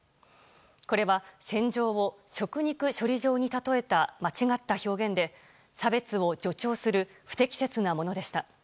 これは戦場を食肉処理場に例えた間違った表現で差別を助長する不適切なものでした。